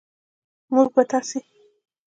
موږ و تاسې